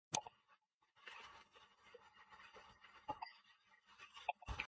Readers' reactions to this work have been varied, and some have offered severe criticisms.